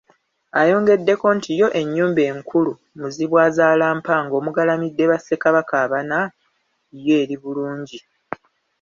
Ayongeddeko nti yo ennyumba enkulu Muzibwazaalampanga omugalamidde ba Ssekabaka abana yo eri bulungi.